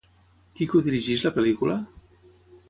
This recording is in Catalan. Qui codirigeix la pel·lícula?